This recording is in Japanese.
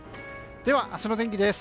では、明日の天気です。